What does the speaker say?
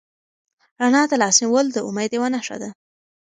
رڼا ته لاس نیول د امید یوه نښه ده.